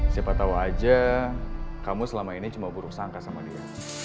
siapa tahu aja kamu selama ini cuma buruk sangka sama dia